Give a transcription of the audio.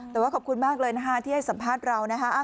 แต่ว่าขอบคุณมากเลยนะคะที่ให้สัมภาษณ์เรานะคะ